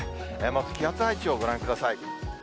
まず気圧配置をご覧ください。